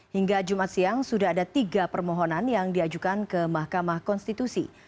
hingga jumat siang sudah ada tiga permohonan yang diajukan ke mahkamah konstitusi